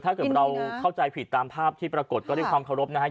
ถ้าเกิดเราเข้าใจผิดตามภาพที่ปรากฏก็ด้วยความเคารพนะครับ